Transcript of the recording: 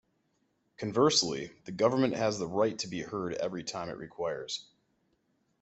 Conversely, the Government has the right to be heard every time it requires.